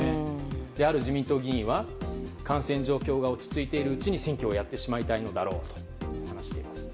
ある自民党議員は感染状況が落ち着いているうちに選挙をやってしまいたいのだろうとしています。